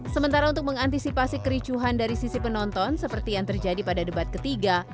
sementara untuk mengantisipasi kericuhan dari sisi penonton seperti yang terjadi pada debat ketiga